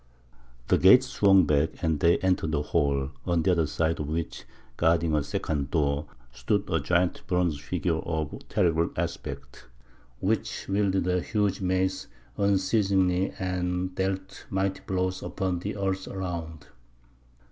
The gate swung back, and they entered a hall, on the other side of which, guarding a second door, stood a gigantic bronze figure of terrible aspect, which wielded a huge mace unceasingly and dealt mighty blows upon the earth around.